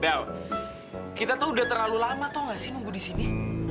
bel kita tuh udah terlalu lama tau nggak sih nunggu di sini